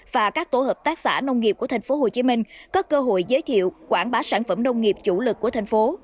và các tổ hợp tác xã nông nghiệp của tp hcm có cơ hội giới thiệu quảng bá sản phẩm nông nghiệp chủ lực của thành phố